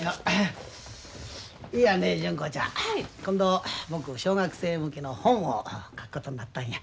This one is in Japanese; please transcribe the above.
いやね純子ちゃん今度僕小学生向けの本を書くことになったんや。